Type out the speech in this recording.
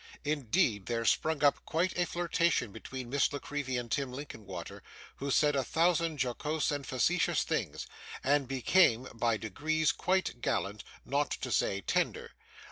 Indeed, there sprung up quite a flirtation between Miss La Creevy and Tim Linkinwater, who said a thousand jocose and facetious things, and became, by degrees, quite gallant, not to say tender.